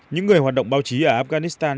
những người hoạt động báo chí ở afghanistan